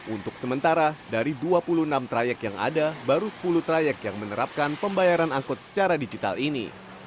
untuk sementara dari dua puluh enam trayek yang ada baru sepuluh trayek yang menerapkan pembayaran angkut secara digital ini